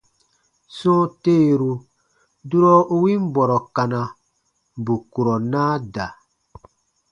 Sɔ̃ɔ teeru, durɔ u win bɔrɔ kana, bù kurɔ naa da.